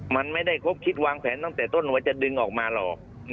มันไม่ได้ครบคิดวางแผนตั้งแต่ต้นว่าจะดึงออกมาหรอก